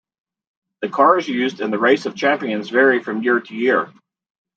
The cars used in The Race Of Champions vary from year to year.